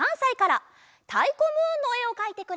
「たいこムーン」のえをかいてくれました。